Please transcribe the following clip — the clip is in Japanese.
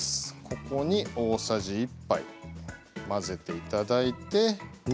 ここに大さじ１杯混ぜていただいて。